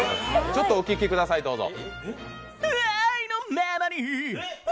ちょっとお聴きください、どうぞ。